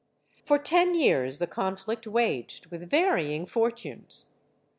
For ten years the conflict waged, with varying for tunes.